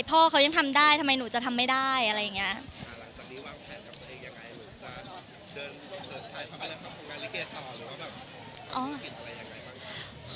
พ่อเขายังทำได้ทำไมหนูจะทำไม่ได้อะไรอย่างเงี้ยหลังจากนี้วางแผนกับหนึ่งอย่างไรหรือจะเดิน